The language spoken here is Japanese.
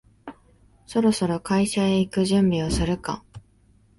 そろそろ会社へ行く準備をするか